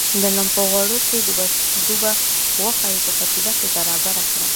د لم په غوړو کې ډوبه غوښه یې په پتیله کې برابره کړه.